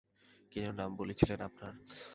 কী যেন নাম বলেছিলেন আপনার?